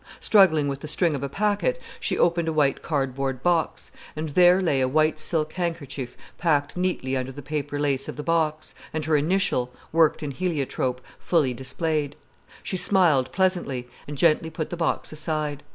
Struggling with the string of a packet, she opened a white cardboard box, and there lay a white silk handkerchief packed neatly under the paper lace of the box, and her initial, worked in heliotrope, fully displayed. She smiled pleasantly, and gently put the box aside.